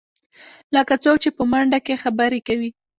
لکه څوک چې په منډه کې خبرې کوې.